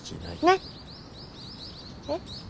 ねっ！えっ？